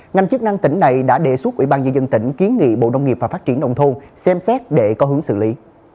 ngành chức năng tỉnh này đã đề xuất ubnd tỉnh kiến nghị bộ đông nghiệp và phát triển đồng thôn xem xét để có hướng xử lý